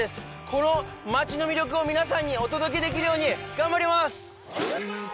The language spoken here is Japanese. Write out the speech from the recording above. この街の魅力を皆さんにお届けできるように頑張ります！